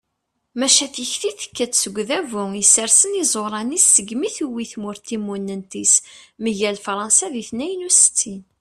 maca tikti tekka-d seg udabu yessersen iẓuṛan-is segmi tewwi tmurt timunent-is mgal fṛansa di tniyen u settin